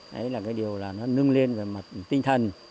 đấy là cái điều là nó nâng lên về mặt tinh thần